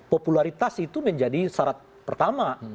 popularitas itu menjadi syarat pertama